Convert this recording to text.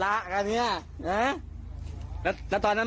นั่งอยู่ตรงนี้เลยเสร็จละกันเนี้ยอ่าแล้วแล้วตอนนั้น